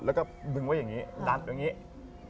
แล้วก็ดึงไว้อย่างนี้ดันอย่างนี้